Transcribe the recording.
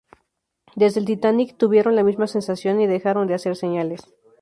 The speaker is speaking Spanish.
Desde el "Titanic" tuvieron la misma sensación y dejaron de hacer señales.